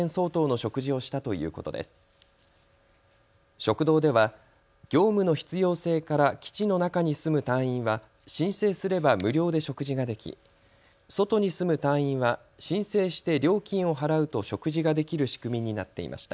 食堂では業務の必要性から基地の中に住む隊員は申請すれば無料で食事ができ外に住む隊員は申請して料金を払うと食事ができる仕組みになっていました。